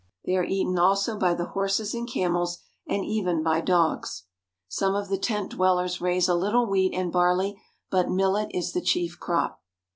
They are eaten also by the horses and camels, and even by dogs. Some of the tent dwellers raise a little wheat and barley, but millet is the chief crop.